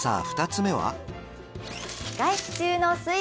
２つ目は？